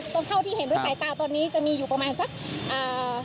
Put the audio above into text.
เท่าที่เห็นด้วยสายตาตอนนี้จะมีอยู่ประมาณสักอ่า